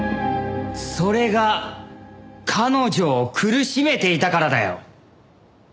それが彼女を苦しめていたからだよ！